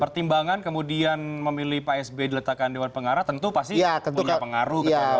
pertimbangan kemudian memilih pak sby diletakkan dewan pengarah tentu pasti punya pengaruh ketua umum